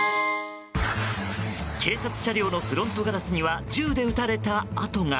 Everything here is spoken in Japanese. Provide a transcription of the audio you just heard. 警察車両のフロントガラスには銃で撃たれた跡が。